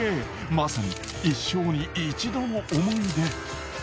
まさに一生に一度の思い出。